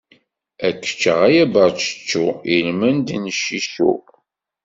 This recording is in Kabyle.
Ar k-ččeɣ a yaberčečču ilmend n ciccu!